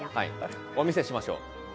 お見せしましょう。